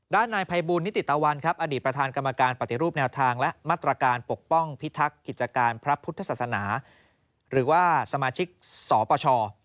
นายภัยบูลนิติตะวันครับอดีตประธานกรรมการปฏิรูปแนวทางและมาตรการปกป้องพิทักษ์กิจการพระพุทธศาสนาหรือว่าสมาชิกสปช